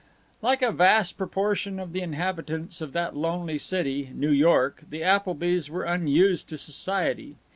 Like a vast proportion of the inhabitants of that lonely city, New York, the Applebys were unused to society.